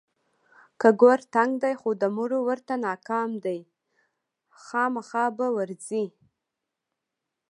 که ګور تنګ دی خو د مړو ورته ناکام دی، خوامخا به ورځي.